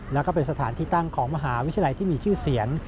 แล้วก็เป็นสถานที่ตั้งของมหาวิทยาลัยที่มีชื่อเสียง